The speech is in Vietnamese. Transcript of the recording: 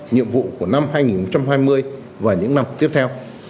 nhiệm vụ của năm hai nghìn hai mươi và những năm tiếp theo